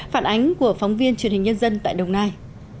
phản ánh của phóng viên truyền hình nhân dân tại đồng nai